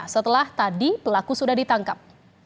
setelah tadi pelaku sudah ditangkap